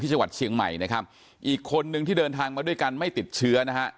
จังหวัดเชียงใหม่นะครับอีกคนนึงที่เดินทางมาด้วยกันไม่ติดเชื้อนะฮะ